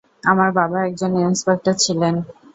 আমার বাবা একজন ইন্সপেক্টর ছিলেন।